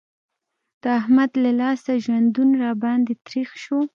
د احمد له لاسه ژوندون را باندې تريخ شو.